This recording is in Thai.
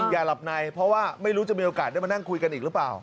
อย่าหลับในเพราะว่าไม่รู้จะมีโอกาสได้มานั่งคุยกันอีกหรือเปล่า